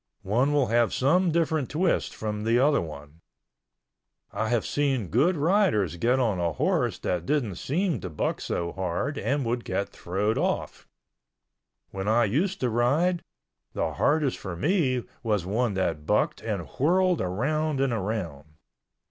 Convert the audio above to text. One will have some different twist from the other one. I have seen good riders get on a horse that didn't seem to buck so hard and would get throwed off. When I used to ride, the hardest for me was one that bucked and whirled around and around.